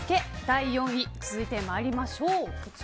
第４位、続いて参りましょう。